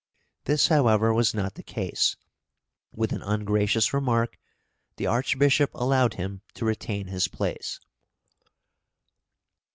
This, however, was not the case; with an ungracious remark the Archbishop allowed him to retain his place.